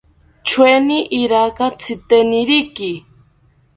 Choeni iraka tziteniriki